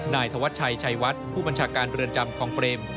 นายธวัชชัยชัยวัดผู้บัญชาการเรือนจำคลองเปรม